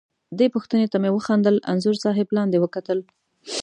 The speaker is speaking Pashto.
دې پوښتنې ته مې وخندل، انځور صاحب لاندې وکتل.